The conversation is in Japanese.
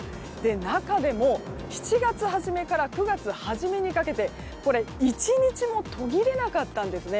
中でも７月初めから９月初めにかけて１日も途切れなかったんですね。